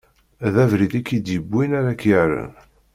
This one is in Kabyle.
D abrid i k-id-iwwin ara k-irren.